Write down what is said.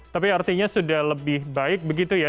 tapi artinya sudah lebih baik begitu ya